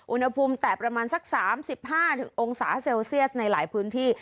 อุณหภูมิแต่ประมาณสัก๓๕องศาเซลเซียสในหลายพื้นที่